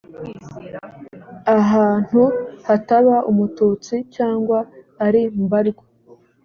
ahantu hataba umututsi cyangwa ari mbarwa